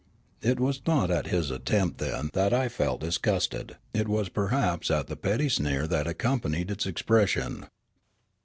It was not at his contempt, then, that I felt disgusted ; it was perhaps at the petty sneer that accompanied its ex pression.